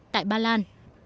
tại bà lan